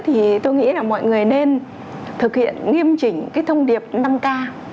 thì tôi nghĩ là mọi người nên thực hiện nghiêm chỉnh cái thông điệp năm k